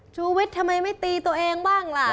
ชูวิทย์ทำไมไม่ตีตัวเองบ้างล่ะ